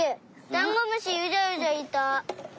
ダンゴムシうじゃうじゃいた！